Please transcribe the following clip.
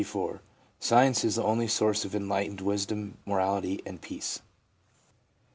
■ Science is the only source of enlightened wis dom, morality and peace/ M.